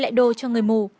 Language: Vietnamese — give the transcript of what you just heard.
dạ đây cháu đây